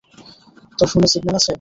তোর ফোনে সিগন্যাল আছে?